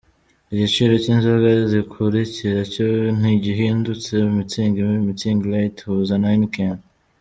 Igiciro cy’inzoga zikurikira cyo ntigihindutse: Mutzig, Mutzig-Lite, Huza na Heineken.